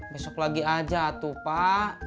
besok lagi aja tuh pak